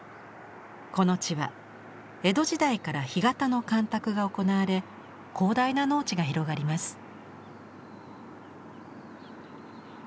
この地は江戸時代から干潟の干拓が行われ広大な農地が広がります。